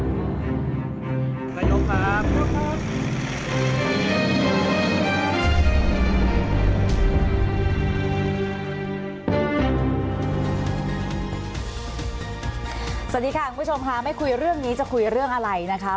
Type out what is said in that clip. สวัสดีค่ะคุณผู้ชมค่ะไม่คุยเรื่องนี้จะคุยเรื่องอะไรนะคะ